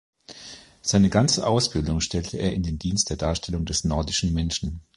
Seine ganze Ausbildung stellte er in den Dienst der Darstellung des „nordischen Menschen“.